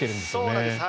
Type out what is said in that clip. そうなんです。